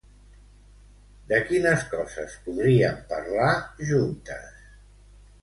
De quines coses podríem parlar juntes?